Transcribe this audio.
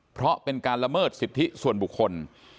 เพราะเป็นการละเมิดสิทธิส่วนบุคคล